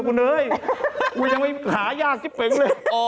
คุณยังไงขายากสปีนเลย